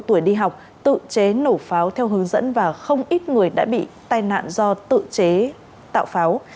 ba tuổi đi học tự chế nổ pháo theo hướng dẫn và không ít người đã bị tai nạn do tự chế tạo pháo